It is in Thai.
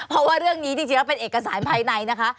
เพราะว่าเรื่องนี้จริงแล้วเป็นเอกสารภายในนะคะ